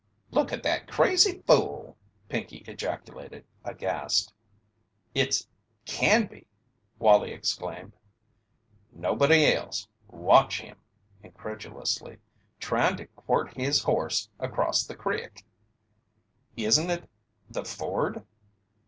"Look at that crazy fool!" Pinkey ejaculated, aghast. "It's Canby!" Wallie exclaimed. "Nobody else! Watch him," incredulously, "tryin' to quirt his horse across the crick!" "Isn't it the ford?"